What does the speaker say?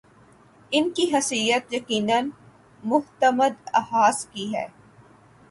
‘ ان کی حیثیت یقینا معتمد خاص کی ہے۔